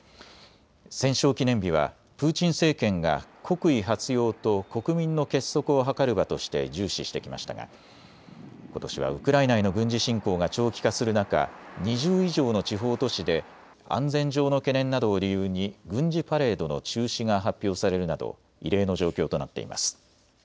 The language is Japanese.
戦勝記念日はプーチン政権が国威発揚と国民の結束を図る場として重視してきましたがことしはウクライナへの軍事侵攻が長期化する中、２０以上の地方都市で安全上の懸念などを理由に軍事パレードの中止が発表されるなど異例の状況となっています。